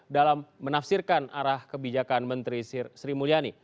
dalam menafsirkan arah kebijakan menteri sri mulyani